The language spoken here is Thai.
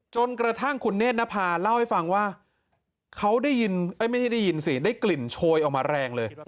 จนกระทั่งคุณเนธนภาเล่าให้ฟังว่าเขาได้ยินไม่ได้ยินสิได้กลิ่นโชยออกมาแรงเลย